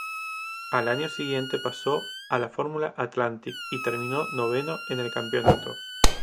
Al año siguiente pasó a la Formula Atlantic y terminó noveno en el campeonato.